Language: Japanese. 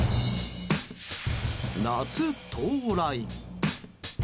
夏到来。